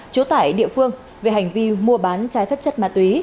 chủ tải địa phương về hành vi mua bán trái phép chất ma túy